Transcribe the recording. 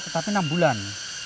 tapi enam bulan